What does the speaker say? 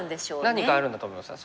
何かあるんだと思います。